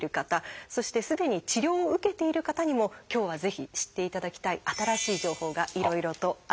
そしてすでに治療を受けている方にも今日はぜひ知っていただきたい新しい情報がいろいろとあるんです。